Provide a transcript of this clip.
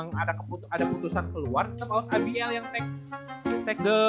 mau pas ngapain teman teman yang kan itu